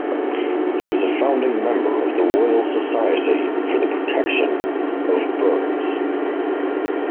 He was a founding member of the Royal Society for the Protection of Birds.